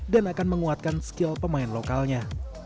dan akan menguatkan skill pemain lokalnya